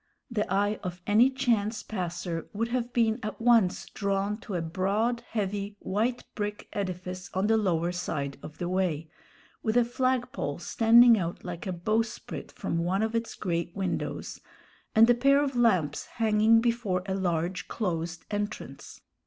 The eye of any chance passer would have been at once drawn to a broad, heavy, white brick edifice on the lower side of the way, with a flag pole standing out like a bowsprit from one of its great windows, and a pair of lamps hanging before a large closed entrance.